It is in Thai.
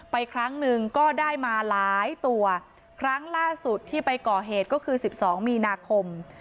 ครั้งหนึ่งก็ได้มาหลายตัวครั้งล่าสุดที่ไปก่อเหตุก็คือสิบสองมีนาคม